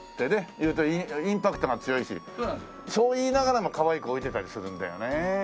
言うとインパクトが強いしそう言いながらもかわいい子置いてたりするんだよねえ。